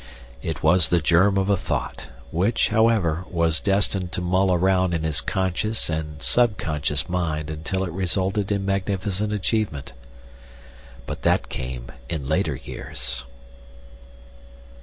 It was the germ of a thought, which, however, was destined to mull around in his conscious and subconscious mind until it resulted in magnificent achievement. But that came in later years.